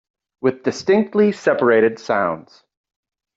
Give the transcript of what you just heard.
With distinctly separated sounds